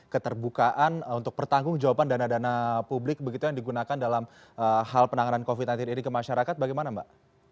keterbukaan untuk pertanggung jawaban dana dana publik begitu yang digunakan dalam hal penanganan covid sembilan belas ini ke masyarakat bagaimana mbak